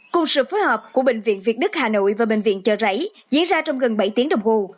cùng sự phối hợp của bệnh viện việt đức hà nội và bệnh viện chợ rẫy diễn ra trong gần bảy tiếng đồng hồ